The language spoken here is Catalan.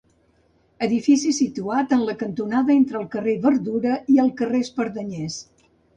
Edifici situat en la cantonada entre el carrer Verdura i el carrer Espardenyers.